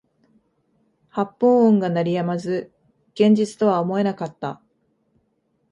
発砲音が鳴り止まず現実とは思えなかった